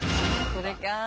これか。